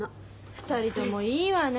２人ともいいわね